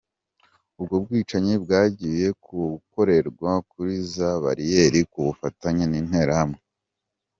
Ubwo bwicanyi bwagiye bukorerwa kuri za bariyeri ku bufatanye n’interahamwe.